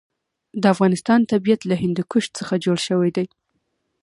د افغانستان طبیعت له هندوکش څخه جوړ شوی دی.